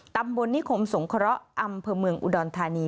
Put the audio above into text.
ตำบลนิคมสงเคราะห์อำเภอเมืองอุดรธานี